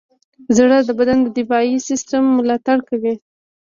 زړه د بدن د دفاعي سیستم ملاتړ کوي.